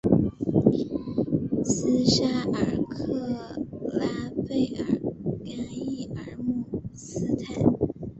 斯沙尔拉克贝尔甘伊尔姆斯泰。